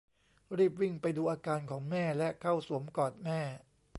รีบวิ่งไปดูอาการของแม่และเข้าสวมกอดแม่